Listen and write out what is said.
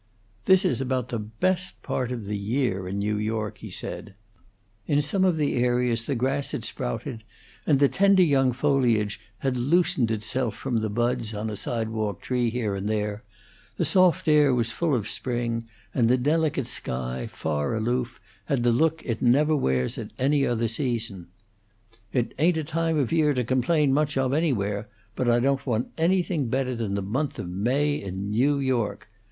"This is about the best part of the year in New York," he said; In some of the areas the grass had sprouted, and the tender young foliage had loosened itself from the buds on a sidewalk tree here and there; the soft air was full of spring, and the delicate sky, far aloof, had the look it never wears at any other season. "It ain't a time of year to complain much of, anywhere; but I don't want anything better than the month of May in New York.